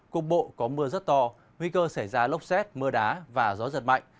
cục bộ có mưa rất to nguy cơ xảy ra lốc xét mưa đá và gió giật mạnh